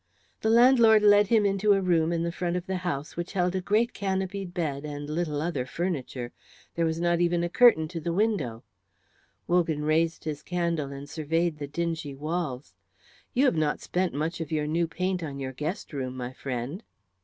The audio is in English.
The landlord led him into a room in the front of the house which held a great canopied bed and little other furniture. There was not even a curtain to the window. Wogan raised his candle and surveyed the dingy walls. "You have not spent much of your new paint on your guest room, my friend."